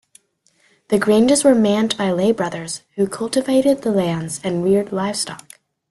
The granges were manned by lay-brothers, who cultivated the lands and reared livestock.